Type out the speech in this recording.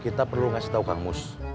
kita perlu ngasih tau kang mus